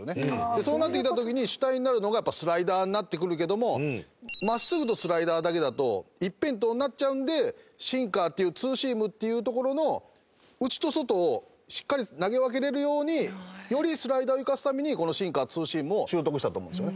そうなってきた時に主体になるのがスライダーになってくるけども真っすぐとスライダーだけだと一辺倒になっちゃうのでシンカーっていうツーシームっていうところの内と外をしっかり投げ分けられるようによりスライダーを生かすためにこのシンカーツーシームを習得したと思うんですよね。